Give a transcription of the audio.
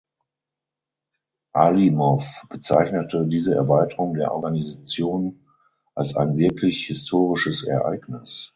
Alimow bezeichnete diese Erweiterung der Organisation als "ein wirklich historisches Ereignis".